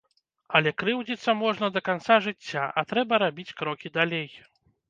Але крыўдзіцца можна да канца жыцця, а трэба рабіць крокі далей!